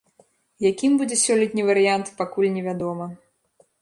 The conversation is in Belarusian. Якім будзе сёлетні варыянт, пакуль невядома.